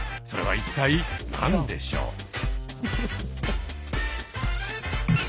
それは一体何でしょう？